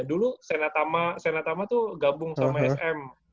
dulu senatama tuh gabung sama sm